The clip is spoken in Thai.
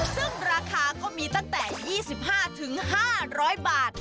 ซึ่งราคาก็มีตั้งแต่๒๕๕๐๐บาท